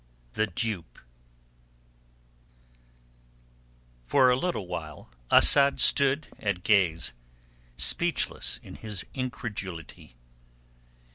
THE DUPE For a little while Asad stood at gaze, speechless in his incredulity.